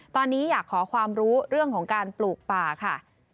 ตอนนี้อยากขอความรู้เรื่องของการปลูกป่าค่ะ